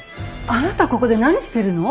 あなたここで何してるの？